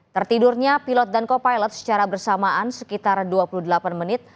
tertidurnya pilot dan co pilot secara bersamaan sekitar dua puluh delapan menit